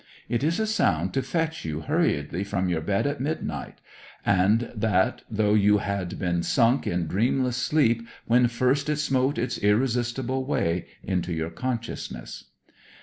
It is a sound to fetch you hurriedly from your bed at midnight; and that though you had been sunk in dreamless sleep when first it smote its irresistible way into your consciousness.